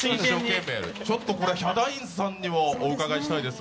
ちょっとヒャダインさんにもお伺いしたいです